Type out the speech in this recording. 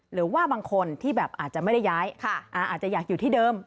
หรือว่าบางคนที่แบบอาจจะไม่ได้ย้ายอาจจะอยากอยู่ที่เดิม